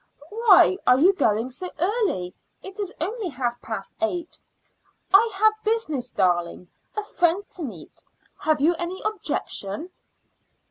"Why are you going so early? It is only half past eight." "I have business, darling a friend to meet. Have you any objection?"